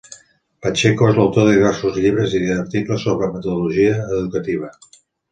Pacheco és l'autor de diversos llibres i articles sobre metodologia educativa.